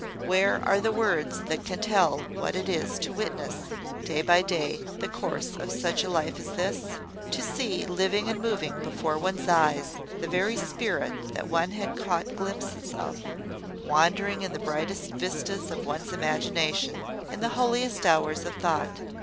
Where are the words that can tell what it is to witness, day by day, the course of such a life as this? to see, living and moving before one's eyes, the very spirit that one had caught glimpses of, wandering in the brightest vistas of one's imagination, in the holiest hours of thought!